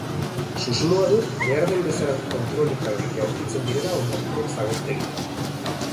Susmoa du behar den bezalako kontrolik gabe jaurtitzen direla hondakinak zabortegira.